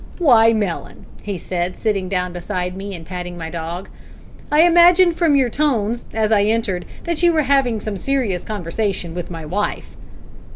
"Why, Mellon," he said, sitting down beside me, and patting my dog, "I imagined from your tones, as I entered, that you were having some serious conversation with my wife."